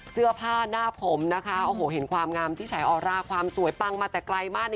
เสื้อผ้าหน้าผมนะคะเห็นความงามที่ไฉออลลาร์ความสวยตั้งมาแต่ใกล้บ้าน